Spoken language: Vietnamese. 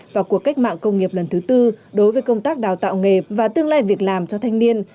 và cuộc cách mạng công nghiệp lần thứ tư đối với công tác đào tạo nghề và tương lai việc làm cho thanh niên